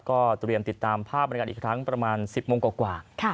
แล้วก็ตุเรียนติดตามภาพบรรยากาศอีกครั้งประมาณ๑๐โมงกว่ากว่า